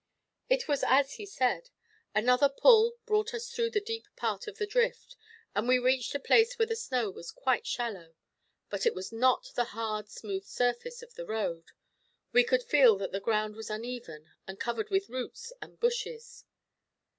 It was as he said. Another pull brought us through the deep part of the drift, and we reached a place where the snow was quite shallow. But it was not the hard, smooth surface of the road: we could feel that the ground was uneven, and covered with roots and bushes.